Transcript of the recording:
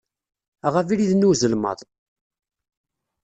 Aɣ abrid-nni n uzelmaḍ.